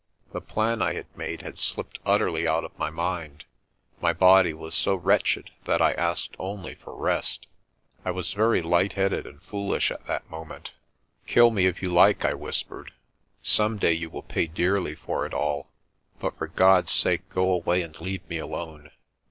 The plan I had made had slipped utterly out of my mind. My body was so wretched that I asked only for rest. I was very light headed and foolish at that moment. INANDA'S KRAAL 195 "Kill me if you like," I whispered. "Some day you will pay dearly for it all. But for God's sake go away and leave me alone."